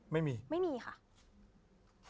ไม่มีไม่มีค่ะ